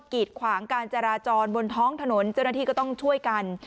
กีดขวางการจราจรบนท้องถนนเจ้าหน้าที่ก็ต้องช่วยกัน